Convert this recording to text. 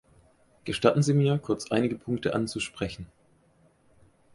Gestatten sie mir, kurz einige Punkte anzusprechen.